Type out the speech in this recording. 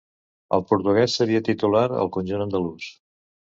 El portuguès seria titular al conjunt andalús.